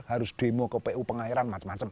harus demo ke pu pengairan macam macam